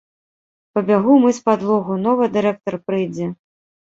Пабягу мыць падлогу, новы дырэктар прыйдзе.